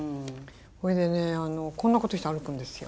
それでねこんなことして歩くんですよ。